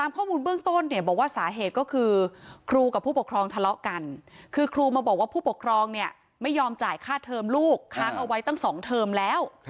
ผู้ปกครองเนี่ยไม่ยอมจ่ายค่าเทอมลูกค้างเอาไว้ตั้งสองเทอมแล้ว